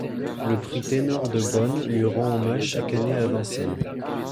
Le Prix Ténor de Baune lui rend hommage chaque année à Vincennes.